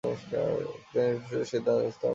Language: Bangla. তারপর তিনি নিজেই সিদ্ধান্ত স্থাপন করেন।